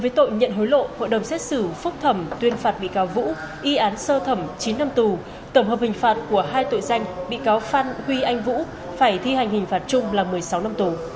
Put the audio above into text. hội đồng xét xử phúc thẩm tuyên phạt bị cáo vũ y án sơ thẩm chín năm tù tổng hợp hình phạt của hai tội danh bị cáo phan huy anh vũ phải thi hành hình phạt chung là một mươi sáu năm tù